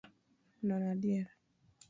Nono adier.